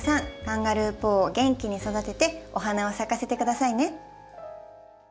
カンガルーポーを元気に育ててお花を咲かせて下さいね。